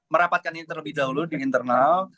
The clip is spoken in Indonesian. merapatkan ini terlebih dahulu di internal